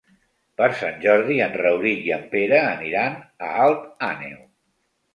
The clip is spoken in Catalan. Per Sant Jordi en Rauric i en Pere aniran a Alt Àneu.